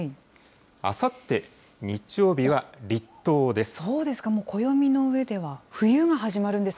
あさって日曜日は立冬です。